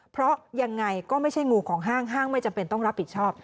เพราะยังไงก็ไม่ใช่งูของห้างห้างไม่จำเป็นต้องรับผิดชอบ